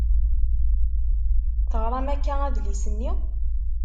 Teɣṛam akka adlis-nni?